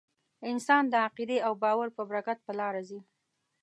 انسان د عقیدې او باور په برکت په لاره ځي.